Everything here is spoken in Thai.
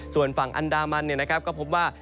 ส่วนฝั่งอันดามันก็พบว่า